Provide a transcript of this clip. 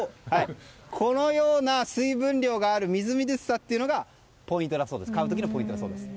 このような水分量があるみずみずしさが買う時のポイントだそうです。